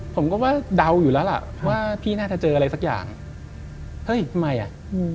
ผมก็ว่าเดาอยู่แล้วล่ะว่าพี่น่าจะเจออะไรสักอย่างเฮ้ยทำไมอ่ะอืม